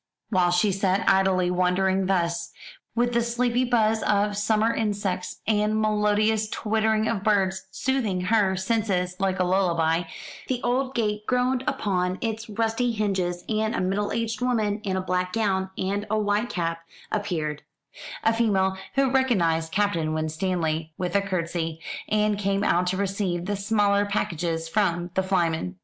While she sat idly wondering thus, with the sleepy buzz of summer insects and melodious twittering of birds soothing her senses like a lullaby, the old gate groaned upon its rusty hinges, and a middle aged woman in a black gown and a white cap appeared a female who recognised Captain Winstanley with a curtsey, and came out to receive the smaller packages from the flyman.